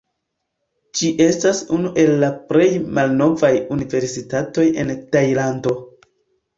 Ĝi estas unu el la plej malnovaj universitatoj en Tajlando.